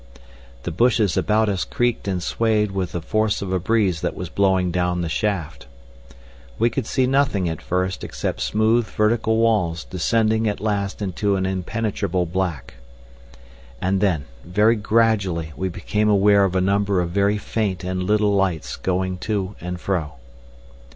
The bushes about us creaked and waved with the force of a breeze that was blowing down the shaft. We could see nothing at first except smooth vertical walls descending at last into an impenetrable black. And then very gradually we became aware of a number of very faint and little lights going to and fro.